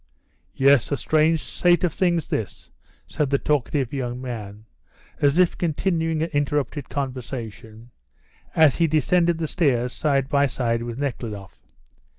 "Yes, a strange state of things this," said the talkative young man, as if continuing an interrupted conversation, as he descended the stairs side by side with Nekhludoff.